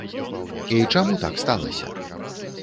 І чаму так сталася?